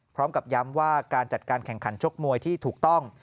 พร้อมกับย้ำว่าการจัดการแข่งขันชกมวยที่ถูกต้อง